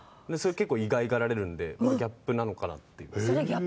結構意外がられるのでギャップなのかなって。